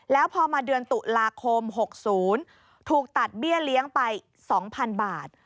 แล้วพอมาเดือนตุลาคม๖๐ถูกตัดเบี้ยเลี้ยงไป๒๐๐๐บาท